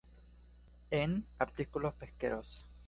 En: Artículos Pesqueros.